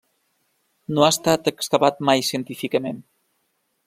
No ha estat excavat mai científicament.